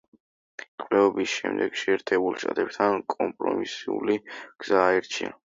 ტყვეობის შემდეგ შეერთებულ შტატებთან კომპრომისული გზა აირჩია.